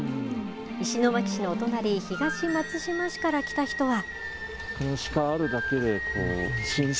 石巻市のお隣、東松島市から来た人は。